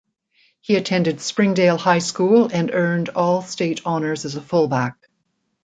He attended Springdale High School and earned all-state honors as a fullback.